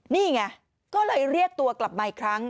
นี่ไงก็เลยเรียกตัวกลับมาอีกครั้ง